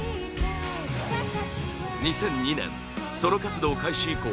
２００２年、ソロ活動開始以降